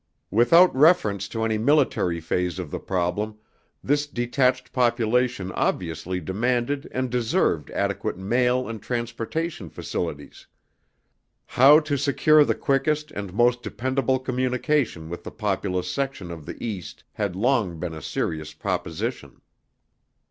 Without reference to any military phase of the problem, this detached population obviously demanded and deserved adequate mail and transportation facilities. How to secure the quickest and most dependable communication with the populous sections of the East had long been a serious proposition.